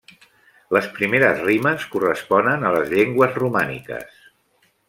Les primeres rimes corresponen a les llengües romàniques.